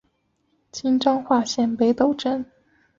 今彰化县北斗镇。